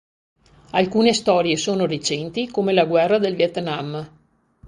Alcune storie sono recenti come la Guerra del Vietnam.